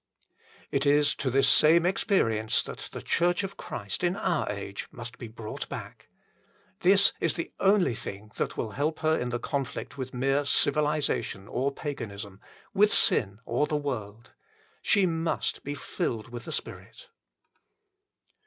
It is to this same experience that the Church of Christ in our age must be brought back. This is the only thing that will help her in the conflict with mere civilisation or paganism, with sin or the world. She must be filled with the Spirit.